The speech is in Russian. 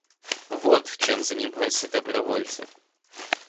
Вот чем занимаются добровольцы.